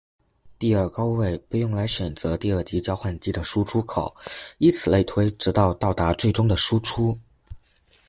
第二高位被用来选择第二级交换机的输出口，依此类推直到到达最终的输出。